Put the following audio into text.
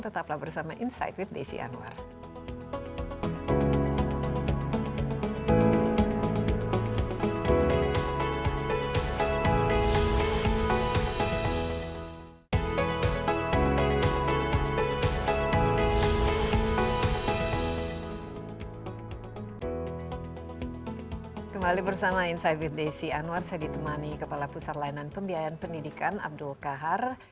tetaplah bersama insight with desi anwar